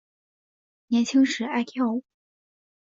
年轻时爱跳舞。